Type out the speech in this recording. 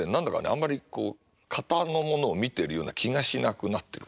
あんまりこう型のものを見てるような気がしなくなってる。